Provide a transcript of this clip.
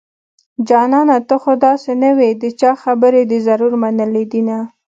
جانانه ته خو داسې نه وي د چا خبرې دې ضرور منلي دينه